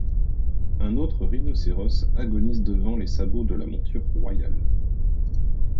Un autre rhinocéros agonise devant les sabots de la monture royale.